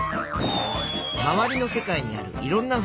まわりの世界にあるいろんなふしぎ。